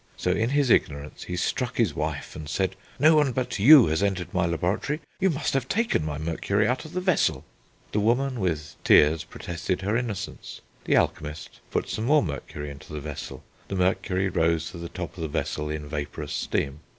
So in his ignorance he struck his wife, and said: 'No one but you has entered my laboratory; you must have taken my Mercury out of the vessel.' The woman, with tears, protested her innocence. The Alchemist put some more Mercury into the vessel.... The Mercury rose to the top of the vessel in vaporous steam.